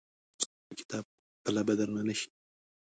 د څو ټوکه کتاب پله به درنه نه شي.